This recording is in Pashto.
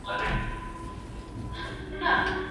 سبا ته مه ګورئ.